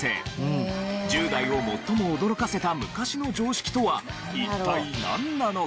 １０代を最も驚かせた昔の常識とは一体なんなのか？